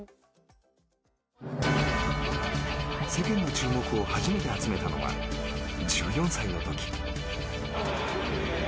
世間の注目を初めて集めたのは１４歳の時。